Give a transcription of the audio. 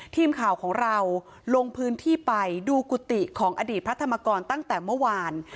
ทีมข่าวของเราลงพื้นที่ไปดูกุฏิของอดีตพระธรรมกรตั้งแต่เมื่อวาน